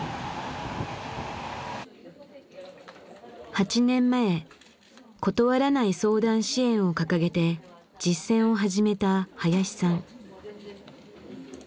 ８年前「断らない相談支援」を掲げて実践を始めた林さん。